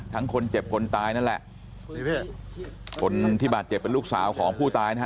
คนเจ็บคนตายนั่นแหละคนที่บาดเจ็บเป็นลูกสาวของผู้ตายนะฮะ